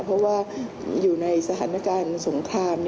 เพราะว่าอยู่ในสถานการณ์สงคราม